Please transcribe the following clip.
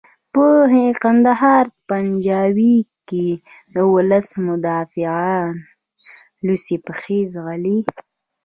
په کندهار پنجوايي کې د ولس مدافعان لوڅې پښې ځغلي.